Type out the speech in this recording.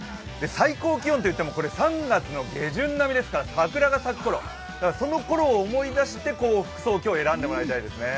最高気温といってもこれ３月下旬ですから桜が咲くころ、そのころを思い出して服装を選んでもらいたいですね。